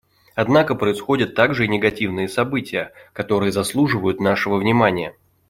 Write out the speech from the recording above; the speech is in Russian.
Однако происходят также и негативные события, которые заслуживают нашего внимания.